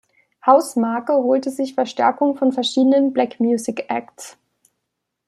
Hausmarke holte sich Verstärkung von verschiedenen Black Music Acts.